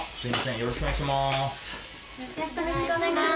よろしくお願いします。